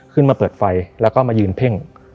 ขึ้นมาเปิดไฟแล้วก็มายืนเพ่ง